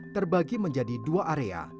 terbagi menjadi dua area